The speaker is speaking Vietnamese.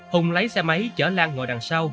hùng lấy xe máy chở lan ngồi đằng sau